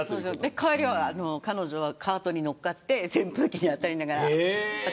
帰りはカートに乗っかって扇風機に当たりながら。